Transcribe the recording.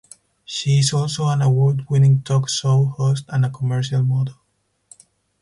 She is also an award winning talk show host and a commercial model.